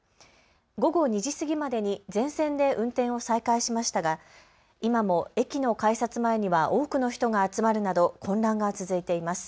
午後２時過ぎまでに全線で運転を再開しましたが今も駅の改札前には多くの人が集まるなど混乱が続いています。